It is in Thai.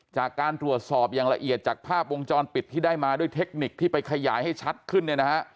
จากการตรวจสอบอย่างละเอียดจากภาพวงจรปิดที่ได้มาด้วยเทคนิคที่ไปขยายให้ชัดขึ้นเนี่ยนะฮะ